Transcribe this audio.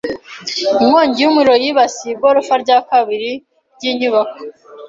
Inkongi y'umuriro yibasiye igorofa rya kabiri ry'inyubako.